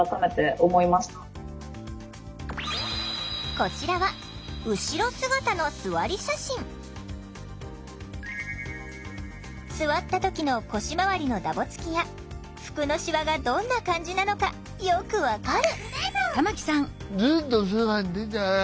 こちらは座った時の腰回りのダボつきや服のシワがどんな感じなのかよく分かる！